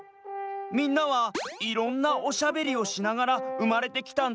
みんなはいろんなおしゃべりをしながらうまれてきたんだよ。